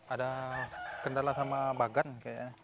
ada kendala sama bagan kayaknya